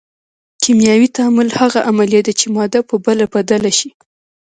کیمیاوي تعامل هغه عملیه ده چې ماده په بله بدله شي.